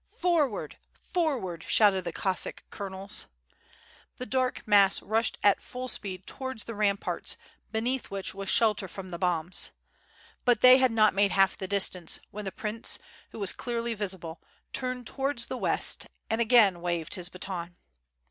"Forward! Forward!" shouted the Cossack coionels. The dark mass rushed at full speed towards the ramparts beneath which was shelter from the bombs. But they had not made half the distance when the prince, who was clearly visible, turned towards the west and again waved his baton.